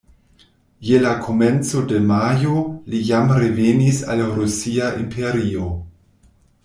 Je la komenco de majo, li jam revenis al Rusia imperio.